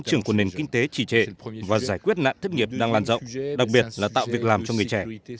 trưởng của nền kinh tế trì trệ và giải quyết nạn thất nghiệp đang lan rộng đặc biệt là tạo việc làm cho người trẻ